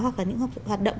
hoặc là những hoạt động